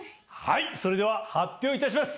それでは発表いたします！